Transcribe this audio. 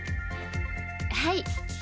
はい。